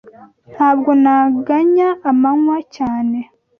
Ntabwo naganya amanywa cyane